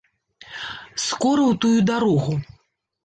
Скора ў тую дарогу!